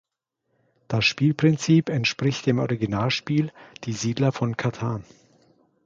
Das Spielprinzip entspricht dem Originalspiel „Die Siedler von Catan“.